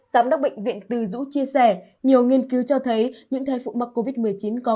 giám đốc bệnh viện từ dũ chia sẻ nhiều nghiên cứu cho thấy những thai phụ mắc covid một mươi chín có